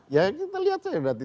ya kita lihat saja berarti